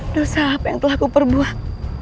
dosa apa yang telah kuperbuat